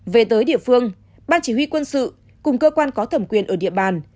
về tới địa phương ban chỉ huy quân sự cùng cơ quan có thẩm quyền ở địa bàn